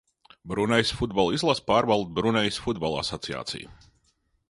Brunejas futbola izlasi pārvalda Brunejas Futbola asociācija.